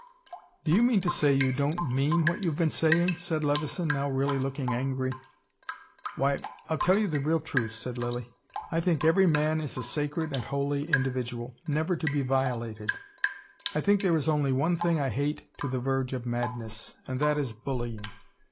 "Do you mean to say you don't MEAN what you've been saying?" said Levison, now really looking angry. "Why, I'll tell you the real truth," said Lilly. "I think every man is a sacred and holy individual, NEVER to be violated; I think there is only one thing I hate to the verge of madness, and that is BULLYING.